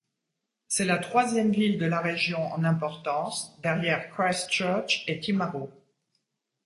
C'est la troisième ville de la région en importance, derrière Christchurch et Timaru.